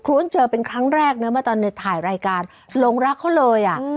้วนเจอเป็นครั้งแรกนะเมื่อตอนในถ่ายรายการหลงรักเขาเลยอ่ะ